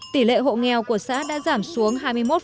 tỷ lệ hộ nghèo của xã đã giảm xuống hai mươi một